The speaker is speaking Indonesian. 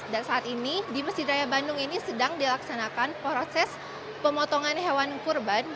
dan saat ini di masjid raya bandung ini sedang dilaksanakan proses pemotongan hewan kurban